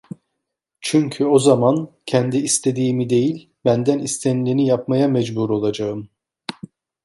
Çünkü o zaman kendi istediğimi değil, benden istenileni yapmaya mecbur olacağım.